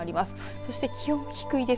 そして気温低いです。